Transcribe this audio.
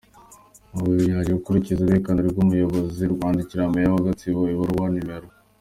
Umuvunyi yaje gukurikiza uruherekane rw’ ubuyobozi rwandikira Mayor wa Gatsibo ibaruwa No.